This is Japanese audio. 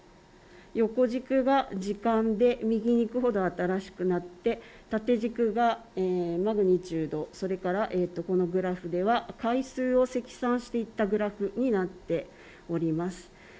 横軸が時間で右に行くほど新しくなって縦軸がマグニチュード、それからこのグラフでは回数を積算していったグラフになっております。